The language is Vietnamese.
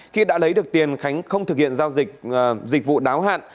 khi đã lấy được tiền khánh không thực hiện giao dịch vụ đáo hạn